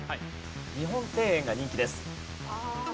日本庭園が人気です。